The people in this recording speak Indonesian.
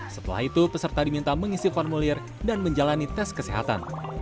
setelah itu peserta diminta mengisi formulir dan menjalani tes kesehatan